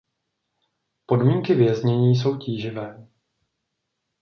Podmínky věznění jsou tíživé.